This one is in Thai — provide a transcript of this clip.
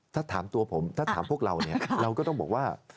ถ้าถามตัวผมถ้าถามพวกเราเนี่ยเราก็ต้องบอกว่า